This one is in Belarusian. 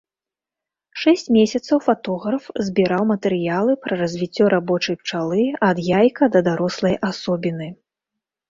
Шэсць месяцаў фатограф збіраў матэрыялы пра развіццё рабочай пчалы ад яйка да дарослай асобіны.